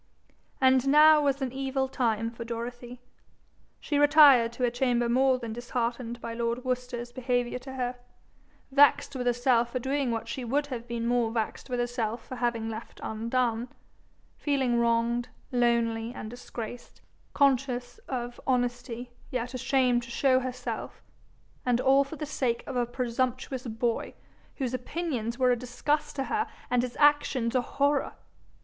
And now was an evil time for Dorothy. She retired to her chamber more than disheartened by lord Worcester's behaviour to her, vexed with herself for doing what she would have been more vexed with herself for having left undone, feeling wronged, lonely, and disgraced, conscious of honesty, yet ashamed to show herself and all for the sake of a presumptuous boy, whose opinions were a disgust to her and his actions a horror!